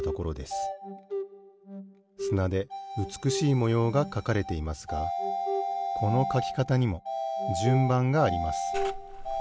すなでうつくしいもようがかかれていますがこのかきかたにもじゅんばんがあります。